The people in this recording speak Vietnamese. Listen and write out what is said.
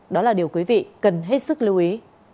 đó là điều quý vị cần hết sức lưu ý